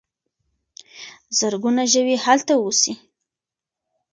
زرګونه ژوي هلته اوسي.